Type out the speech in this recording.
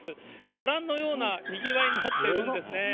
ご覧のようなにぎわいになっているんですね。